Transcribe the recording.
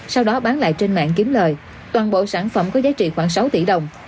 sau đó bán lại trên mạng kiếm lời toàn bộ sản phẩm có giá trị khoảng sáu tỷ đồng